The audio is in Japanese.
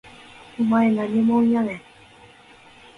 お前何もんやねん